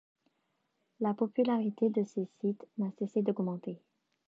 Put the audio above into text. La popularité de ces sites n'a cessé d'augmenter.